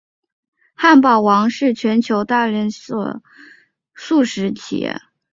汉堡王是全球大型连锁速食企业。